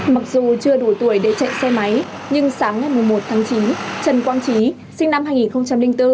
mặc dù chưa đủ tuổi để chạy xe máy nhưng sáng ngày một tháng chín trần quang trí sinh năm hai nghìn bốn